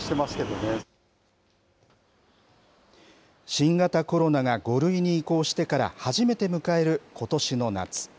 新型コロナが５類に移行してから初めて迎えることしの夏。